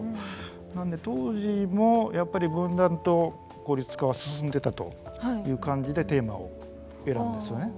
なので当時もやっぱり分断と孤立化は進んでたという感じでテーマを選んだんですよね。